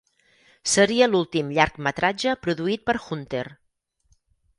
Seria l'últim llargmetratge produït per Hunter.